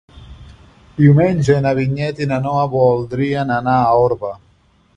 Diumenge na Vinyet i na Noa voldrien anar a Orba.